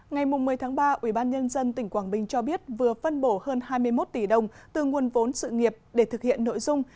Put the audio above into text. ngày một mươi tháng ba ubnd tỉnh quảng bình cho biết vừa phân bổ hơn hai mươi một tỷ đồng từ nguồn vốn sự nghiệp để thực hiện nội dung